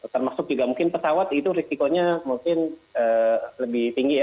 termasuk juga mungkin pesawat itu risikonya mungkin lebih tinggi ya